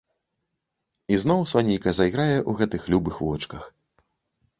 І зноў сонейка зайграе ў гэтых любых вочках.